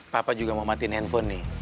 papa juga mau matiin handphone nih